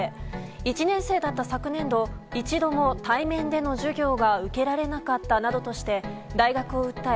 １年生だった昨年度一度も対面での授業を受けられなかったなどとして大学を訴え